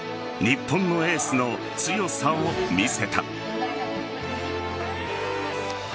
日本のエースの強さを見せた。